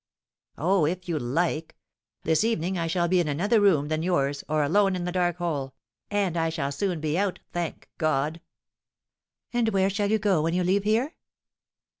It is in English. "Oh, if you like! This evening, I shall be in another room than yours, or alone in the dark hole, and I shall soon be out, thank God!" "And where shall you go when you leave here?"